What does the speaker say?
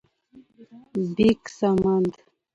-بیک سمند: